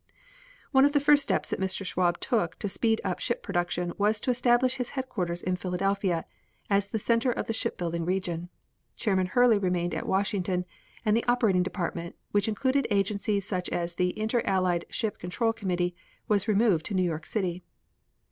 One of the first steps that Mr. Schwab took to speed up ship production was to establish his headquarters in Philadelphia, as the center of the ship building region. Chairman Hurley remained at Washington, and the operating department, which included agencies such as the Inter Allied Ship Control Committee, was removed to New York City.